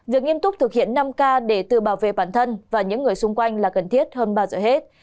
việc nghiêm túc thực hiện năm k để tự bảo vệ bản thân và những người xung quanh là cần thiết hơn bao giờ hết